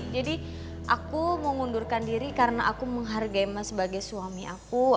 jadi aku mau ngundurkan diri karena aku menghargai mas sebagai suami aku